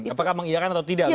apakah mengiakan atau tidak